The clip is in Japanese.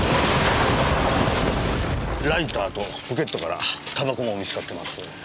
ライターとポケットから煙草も見つかっています。